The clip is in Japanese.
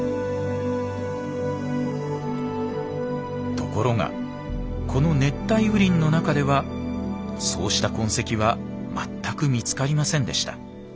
ところがこの熱帯雨林の中ではそうした痕跡は全く見つかりませんでした。